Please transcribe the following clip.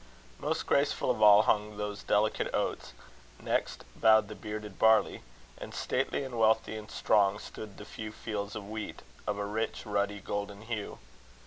Most graceful of all hung those delicate oats; next bowed the bearded barley; and stately and wealthy and strong stood the few fields of wheat, of a rich, ruddy, golden hue.